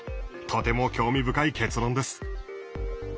とても興味深い結論です。